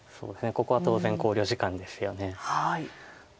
ここは当然考慮時間ですよね。